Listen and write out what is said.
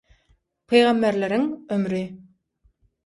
Pygamberleriň ömri.